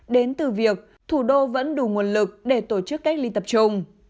đến từ việc thủ đô vẫn đủ nguồn lực để tổ chức cách ly tập trung